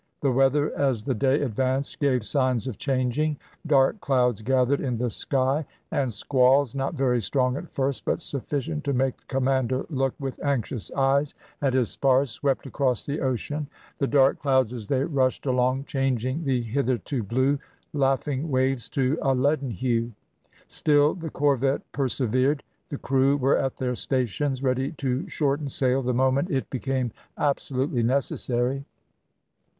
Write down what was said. The weather, as the day advanced, gave signs of changing, dark clouds gathered in the sky, and squalls, not very strong at first, but sufficient to make the commander look with anxious eyes at his spars, swept across the ocean the dark clouds as they rushed along changing the hitherto blue, laughing waves to a leaden hue. Still the corvette persevered. The crew were at their stations, ready to shorten sail the moment it became absolutely necessary.